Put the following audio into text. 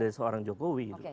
itu yang jokowi